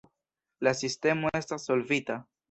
La sistemo estas solvita.